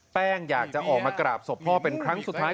แป้งอยากจะออกมากราบศพพ่อเป็นครั้งสุดท้าย